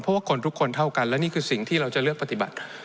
เพราะว่าคนทุกคนเท่ากันและนี่คือสิ่งที่เราจะเลือกปฏิบัติ